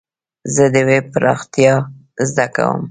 زه د ويب پراختيا زده کوم.